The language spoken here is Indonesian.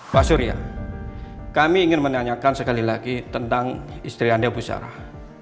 pak surya kami ingin menanyakan sekali lagi tentang istri anda bu sarah